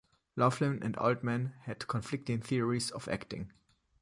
Laughlin and Altman had conflicting theories of acting.